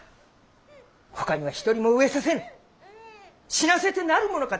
ほかには一人も飢えさせぬ死なせてなるものか！